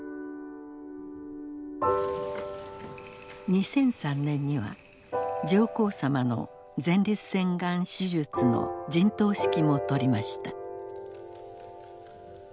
２００３年には上皇さまの前立腺がん手術の陣頭指揮も執りました。